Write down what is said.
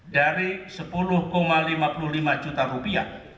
dari sepuluh lima puluh lima juta rupiah